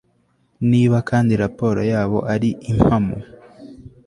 Niba kandi raporo yabo ari impamo